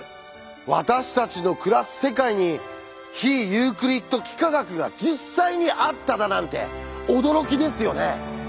私たちの暮らす世界に非ユークリッド幾何学が実際にあっただなんて驚きですよね。